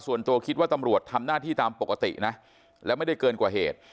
ส่วนตัวคิดว่าตำรวจทำหน้าที่ตามปกตินะและไม่ได้เกินกว่าเหตุ